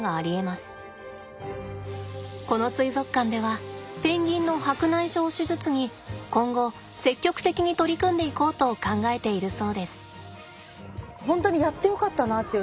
この水族館ではペンギンの白内障手術に今後積極的に取り組んでいこうと考えているそうです。